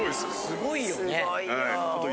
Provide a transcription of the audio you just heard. すごいよ。